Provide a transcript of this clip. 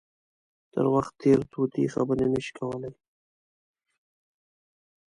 تر وخت تېر طوطي خبرې نه شي کولای.